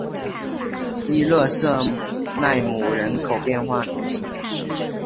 伊勒瑟奈姆人口变化图示